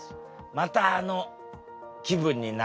またあの気分になりたい。